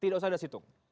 tidak usah ada situng